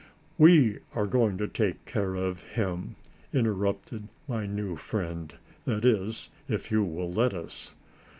"We are going to take care of him," interrupted my new friend; "that is, if you will let us."